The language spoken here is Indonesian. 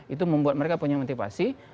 itu membuat mereka punya motivasi